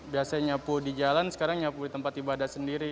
biasanya nyapu di jalan sekarang nyapu di tempat ibadah sendiri